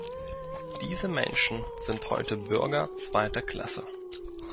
Diese Menschen sind heute Bürger zweiter Klasse.